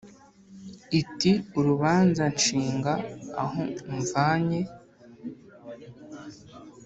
iti : urubanza nshinga aho umvanye